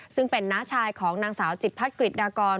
ซึ่งเป็นน้าชายของนางสาวจิตพัดกริจดากร